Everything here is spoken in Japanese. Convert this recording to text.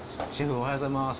おはようございます。